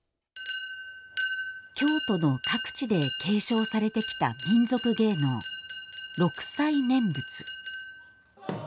京都の各地で継承されてきた民俗芸能、六斎念仏。